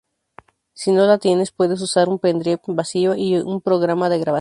si no la tienes puedes usar un pendrive vacío y un programa de grabación